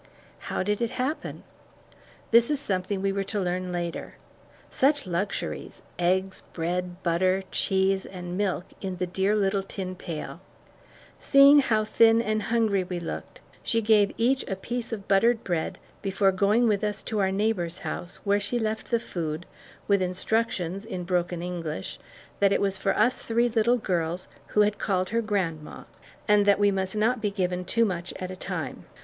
How did it happen? That is something we were to learn later. Such luxuries, eggs, bread, butter, cheese, and milk in the dear little tin pail! Seeing how thin and hungry we looked she gave each a piece of buttered bread before going with us to our neighbor's house, where she left the food, with instructions, in broken English, that it was for us three little girls who had called her "grandma," and that we must not be given too much at a time.